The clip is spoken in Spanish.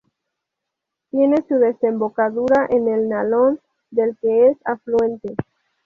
Tiene su desembocadura en el Nalón, del que es afluente.